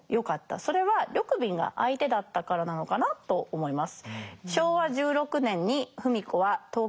それは緑敏が相手だったからなのかなと思います。